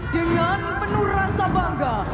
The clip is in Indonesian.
dengan penuh rasa bangga